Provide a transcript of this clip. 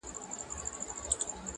چيغې د شپې فضا ډکوي ډېر,